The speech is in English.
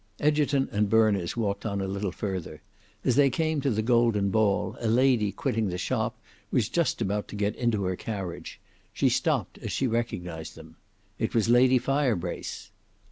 Egerton and Berners walked on a little further. As they came to the Golden Ball, a lady quitting the shop was just about to get into her carriage; she stopped as she recognized them. It was Lady Firebrace.